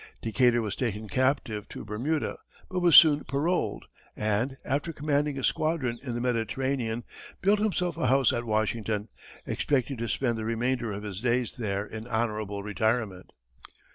Decatur was taken captive to Bermuda, but was soon parolled, and, after commanding a squadron in the Mediterranean, built himself a house at Washington, expecting to spend the remainder of his days there in honorable retirement.